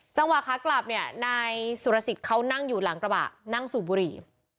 จังหวะขากลับเนี่ยนายสุรสิทธิ์เขานั่งอยู่หลังกระบะนั่งสูบบุหรี่